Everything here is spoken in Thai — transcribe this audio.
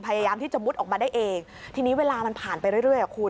พยายามที่จะมุดออกมาได้เองทีนี้เวลามันผ่านไปเรื่อยอ่ะคุณ